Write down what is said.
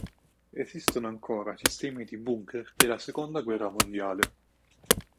Esistono ancora sistemi di bunker della seconda guerra mondiale.